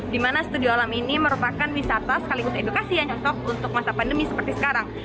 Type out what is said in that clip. di mana studio alam ini merupakan wisata sekaligus edukasi yang cocok untuk masa pandemi seperti sekarang